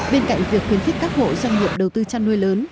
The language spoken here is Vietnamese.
bên cạnh việc khuyến khích các hộ doanh nghiệp đầu tư chăn nuôi lớn